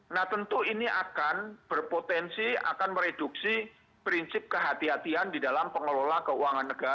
nah tentu ini akan berpotensi akan mereduksi prinsip kehatian di dalam pengelola keuangan negara